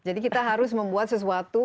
jadi kita harus membuat sesuatu